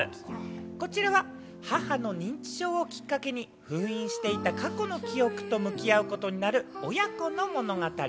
こちらは母の認知症をきっかけに封印していた過去の記憶と向き合うことになる親子の物語。